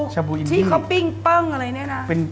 ที่เขาปิ้งปั้งอะไรเนี่ยนะ